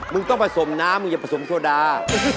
มึงต้องผสมน้ำมึงอย่าผสมโซดา